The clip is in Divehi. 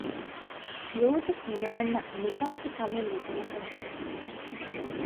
ލޫޠު ކިނާންއަށް ނިކަމެތި ކަމެއް ލިބުނަކަ ނުދޭނެ